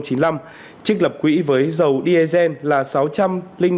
trích lập quỹ với dầu diesel là sáu đồng một kg